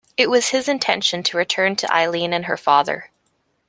It was his intention to return to Eileen and her father.